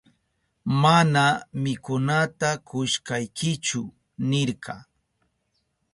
Mana mikunata kushkaykichu nirka.